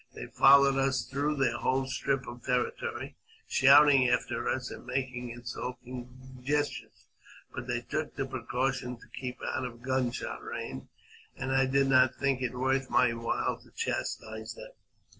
They followed us through their whole strip of territory, shouting after us, and making insulting gestures ;. JAMES P. BECKWOUBTH. 415 but they took the precaution to keep out of gun shot range, and I did not' think it worth my while to chastise them.